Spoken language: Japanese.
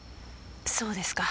そうですか。